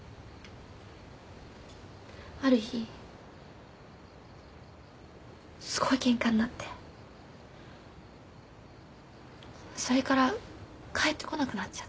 ある日すごいけんかになってそれから帰ってこなくなっちゃった。